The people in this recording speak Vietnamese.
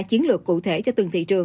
chiến lược cụ thể cho từng thị trường